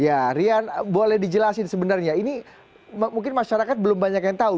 ya rian boleh dijelasin sebenarnya ini mungkin masyarakat belum banyak yang tahu